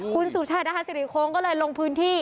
คุณสุชาธิ์ด้านฮาศิริโค้งก็เลยลงพื้นที่